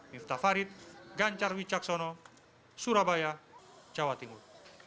miftah farid ganjar wicaksono surabaya jawa timur